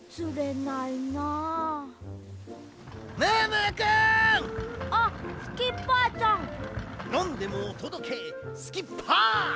なんでもおとどけスキッパー！